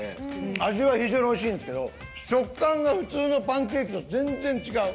味は非常においしいんですけど、食感が普通のパンケーキと全然違う。